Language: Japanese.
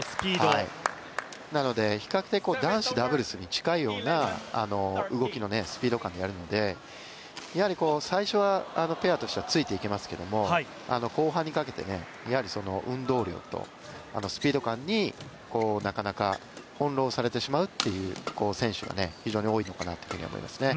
なので、比較的男子ダブルスに近いような動きのスピード感があるのでやはり最初は、ペアとしてはついていけますけども後半にかけて、やはり運動量とスピード感になかなか翻弄されてしまうという選手が非常に多いのかなと思いますね。